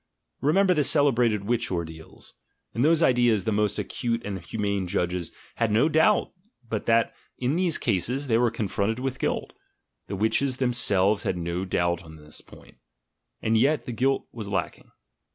Remember the celebrated witch ordeals: in those days the most acute and humane judges had no doubt but that in these cases they were confronted with guilt, — the "witches" themselves had no doubt on the point, — and yet the guilt was lacking.